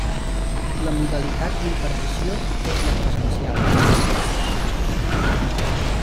La modalitat d'impartició és la presencial.